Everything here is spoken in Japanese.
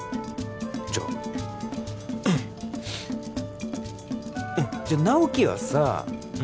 じゃあうんじゃあ直木はさ何？